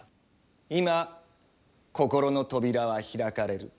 今心の扉は開かれる。